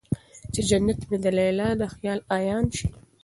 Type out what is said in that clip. چې جنت مې د ليلا د خيال عيان شي